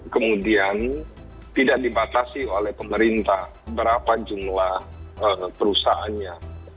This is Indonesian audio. kemudian tidak dibatasi oleh pemerintah berapa jumlah perusahaannya